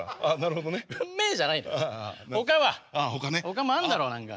ほかもあんだろ何か。